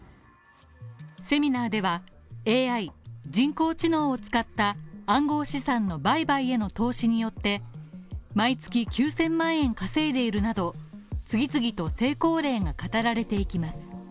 セミナーでは、ＡＩ、人工知能を使った暗号資産の売買への投資によって、毎月９０００万円稼いでいるなど、次々と成功例が語られていきます。